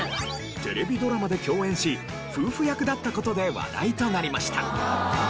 テレビドラマで共演し夫婦役だった事で話題となりました。